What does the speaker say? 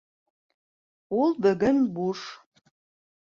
Ул бөгөн буш.